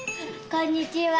こんにちは。